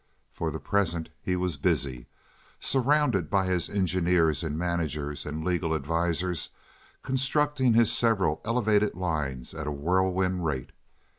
For the present he was busy, surrounded by his engineers and managers and legal advisers, constructing his several elevated lines at a whirlwind rate.